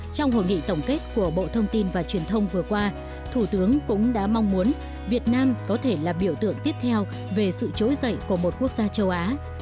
trong hội nghị tổng kết của bộ thông tin và truyền thông vừa qua thủ tướng cũng đã mong muốn việt nam có thể là biểu tượng tiếp theo về sự trỗi dậy của một quốc gia châu á